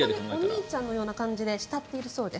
お兄ちゃんのような感じで慕っているようです。